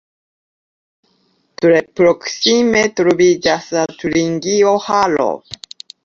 Tre proksime troviĝas la Turingio-halo.